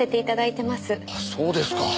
あっそうですか。